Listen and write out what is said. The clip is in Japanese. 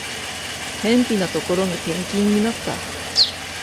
辺ぴなところに転勤になった